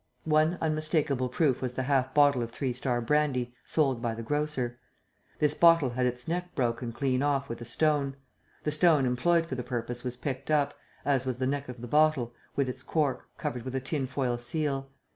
One unmistakable proof was the half bottle of Three Star brandy sold by the grocer. This bottle had its neck broken clean off with a stone. The stone employed for the purpose was picked up, as was the neck of the bottle, with its cork, covered with a tin foil seal.